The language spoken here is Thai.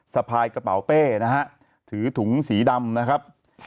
สะพายกระเป๋าเป้นะฮะถือถุงสีดำนะครับ